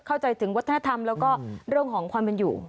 เข้าใจถึงวัฒนธรรมแล้วก็เรื่องของความเป็นอยู่